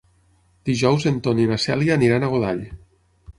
Dijous en Ton i na Cèlia aniran a Godall.